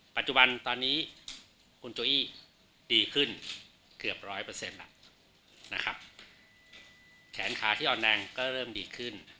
ปัจจุบันตอนนี้คุณโจอี้ดีขึ้นเกือบร้อยเปอร์เซ็นต์แล้วนะครับแขนขาที่อ่อนแรงก็เริ่มดีขึ้น